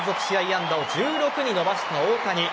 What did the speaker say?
安打を１６に伸ばした大谷。